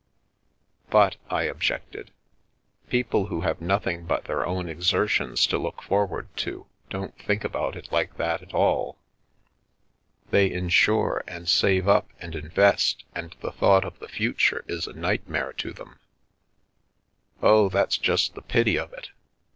But," I objected, " people who have nothing but their own exertions to look forward to don't think about it like that at all. They insure and save up and invest, and the thought of the future is a nightmare to them." " Oh, that's just the pity of it.